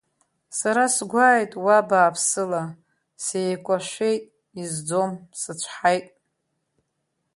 Сара сгәааит уа бааԥсыла, сеикәашәеит, изӡом, сыцәҳаит.